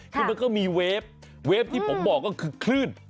คือมันก็มีเวฟเวฟที่ผมบอกก็คือคลื่น